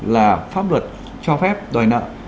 là pháp luật cho phép đòi nợ